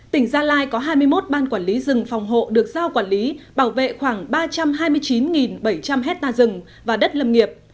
tỉnh gia lai có hai mươi một ban quản lý rừng phòng hộ được giao quản lý bảo vệ khoảng ba trăm hai mươi chín bảy trăm linh hectare rừng và đất lâm nghiệp